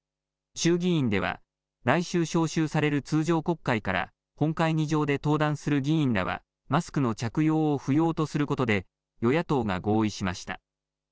衆議院では来週召集される通常国会から本会議場で登壇する議員らはマスクの着用を不要とすることで与野党が合意しました。